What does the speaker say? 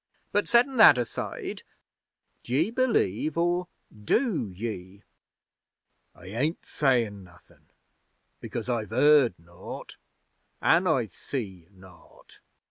But settin' that aside, d'ye believe or do ye?' 'I ain't sayin' nothin', because I've heard naught, an' I've see naught.